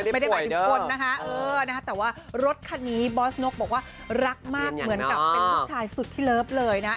ไม่ได้หมายถึงคนนะคะแต่ว่ารถคันนี้บอสนกบอกว่ารักมากเหมือนกับเป็นลูกชายสุดที่เลิฟเลยนะ